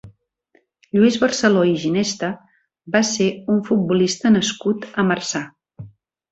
Lluís Barceló i Ginesta va ser un futbolista nascut a Marçà.